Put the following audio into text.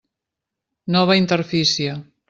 Nova interfície.